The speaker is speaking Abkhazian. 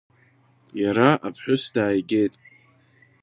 Иара аԥҳәыс дааигеит.